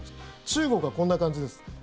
中国はこんな感じです。